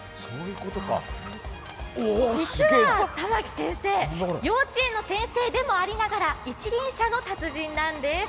実は珠暉先生、幼稚園の先生でもありながら一輪車の達人なんです。